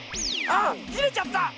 あっきれちゃった！